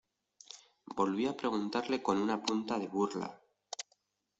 volví a preguntarle con una punta de burla: